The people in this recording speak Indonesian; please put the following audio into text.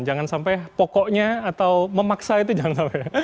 jangan sampai pokoknya atau memaksa itu jangan sampai